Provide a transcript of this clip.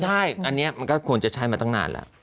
ใช่อันนี้มันก็ควรจะใช้มาตั้งนานแล้ว